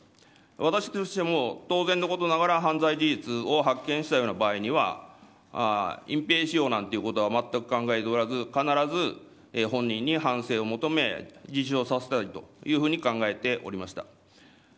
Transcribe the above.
私としても当然のことながら犯罪事実を発見した場合には隠蔽しようなんてことは全く考えておらず必ず本人に反省を求め自首をさせたいと考えております。